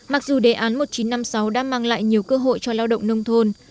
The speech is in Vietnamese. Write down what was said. mặc dù đề án một nghìn chín trăm năm mươi sáu đã mang lại nhiều cơ hội cho lao động nông thôn